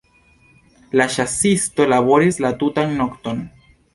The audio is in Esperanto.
La ĉasisto laboris la tutan nokton.